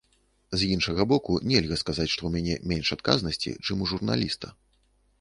З іншага боку, нельга сказаць, што ў мяне менш адказнасці, чым у журналіста.